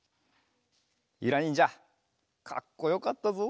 ゆらにんじゃかっこよかったぞ。